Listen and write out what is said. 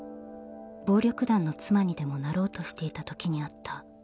「暴力団の妻にでもなろうとしていた時にあった」